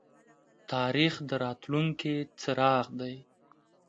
تاریخ د راتلونکي څراغ دی